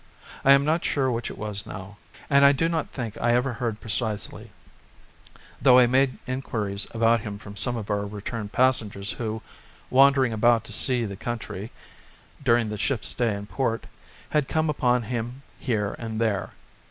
I am not sure which it was now, and I do not think I ever heard precisely; though I made inquiries about him from some of our return passengers who, wandering about to "see the country" during the ship's stay in port, had come upon him here and there.